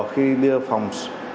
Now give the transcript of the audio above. khi đưa phòng